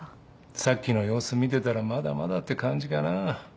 さっきの様子見てたらまだまだって感じかな。